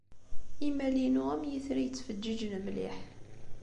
Imal-inu am yitri yettfeǧǧiǧen mliḥ.